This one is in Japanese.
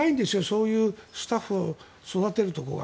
そういうスタッフを育てるところが。